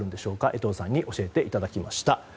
江藤さんに教えていただきました。